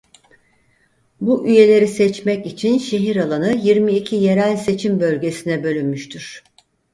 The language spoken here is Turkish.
Bu üyeleri seçmek için şehir alanı yirmi iki yerel seçim bölgesine bölünmüştür.